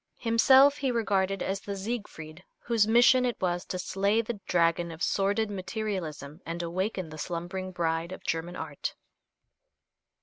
Himself he regarded as the Siegfried whose mission it was to slay the dragon of sordid materialism and awaken the slumbering bride of German art.